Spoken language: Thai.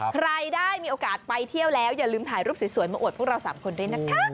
ใครได้มีโอกาสไปเที่ยวแล้วอย่าลืมถ่ายรูปสวยมาอวดพวกเรา๓คนด้วยนะคะ